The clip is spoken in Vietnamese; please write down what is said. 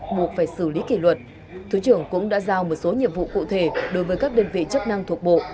buộc phải xử lý kỷ luật thứ trưởng cũng đã giao một số nhiệm vụ cụ thể đối với các đơn vị chức năng thuộc bộ